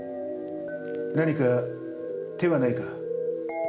何か手はないか？